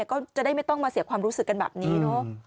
ก็จะได้ไม่ต้องมาเสียความรู้สึกกันแบบนี้เนอะ